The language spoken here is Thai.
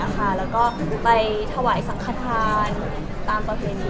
แล้วก็ไปถวายสังขทานตามประเพณี